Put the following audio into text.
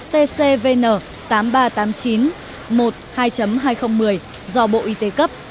tcvn tám nghìn ba trăm tám mươi chín một hai hai nghìn một mươi do bộ y tế cấp